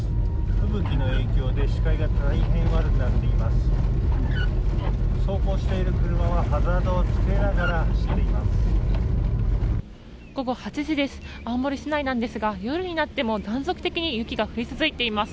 吹雪の影響で視界が大変悪くなっています。